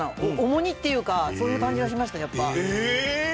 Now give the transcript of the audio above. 重荷っていうかそういう感じがしましたやっぱ。